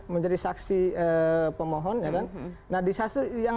menjadi saksi pemohon ya kan